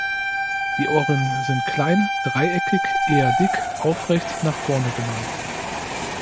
Die Ohren sind klein, dreieckig, eher dick, aufrecht, nach vorne geneigt.